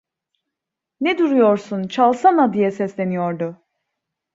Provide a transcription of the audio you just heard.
Ne duruyorsun; çalsana! diye sesleniyordu.